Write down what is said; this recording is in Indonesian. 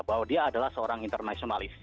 bahwa dia adalah seorang politik yang sangat positif